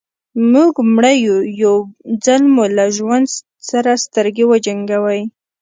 موږ مړه يو يو ځل مو له ژوند سره سترګې وجنګوئ.